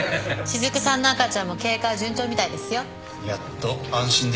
しずくさんの赤ちゃんも経過は順調みたいですよ。やっと安心できますね。